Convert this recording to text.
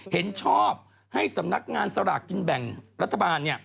เห็นชอบให้สำนักงานสลากกินแบ่งรัฐบาล